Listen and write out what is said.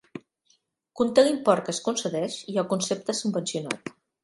Conté l'import que es concedeix i el concepte subvencionat.